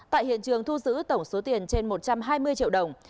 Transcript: tại hiện trường thu giữ tổng số tiền trên một trăm hai mươi triệu đồng